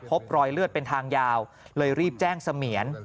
พบรอยเลือดเป็นทางยาวเลยรีบแจ้งเสมียน